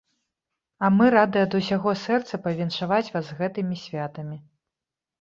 А мы рады ад усяго сэрца павіншаваць вас з гэтымі святамі!